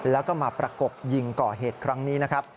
แล้วก็มาประกบยิงก่อเหตุครั้งนี้นะครับ